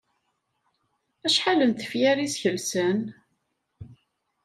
Acḥal n tefyar i skelsen?